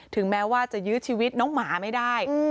แม้ว่าจะยื้อชีวิตน้องหมาไม่ได้